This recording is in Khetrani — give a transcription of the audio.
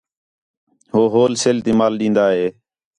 ہو ہول سیل تی مال ݙین٘دا ہِے